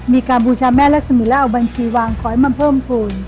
มีการบูชาแม่รักษมีแล้วเอาบัญชีวางขอให้มาเพิ่มภูมิ